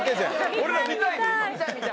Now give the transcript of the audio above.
俺ら見たい。